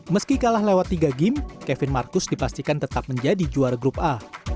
meski kalah lewat tiga game kevin marcus dipastikan tetap menjadi juara grup a